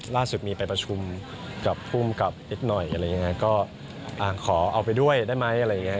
ล่าสุดมีไปประชุมกับภูมิกับนิดหน่อยอะไรยังไงก็ขอเอาไปด้วยได้ไหมอะไรอย่างเงี้